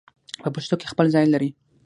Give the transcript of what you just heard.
په پښتو کې خپل ځای لري